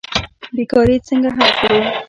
بیکاري څنګه حل کړو؟